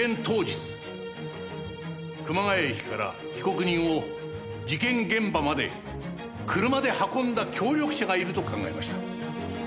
当日熊谷駅から被告人を事件現場まで車で運んだ協力者がいると考えました。